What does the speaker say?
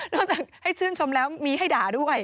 จากให้ชื่นชมแล้วมีให้ด่าด้วย